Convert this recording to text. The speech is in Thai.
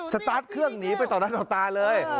สตาร์ทเครื่องหนีไปต่อหน้าต่อตาเลย